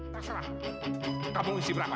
terserah kamu isi berapa